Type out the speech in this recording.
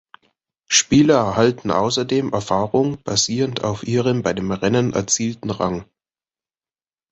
Spieler erhalten außerdem Erfahrung basierend auf ihrem bei dem Rennen erzielten Rang.